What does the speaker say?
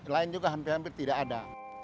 lain juga hampir hampir tidak ada